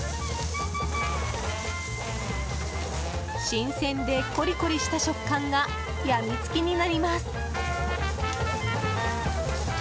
新鮮でコリコリした食感が病み付きになります。